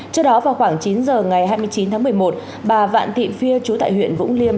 trước đó vào khoảng chín giờ ngày hai mươi chín tháng một mươi một bà vạn thị phia chú tại huyện vũng liêm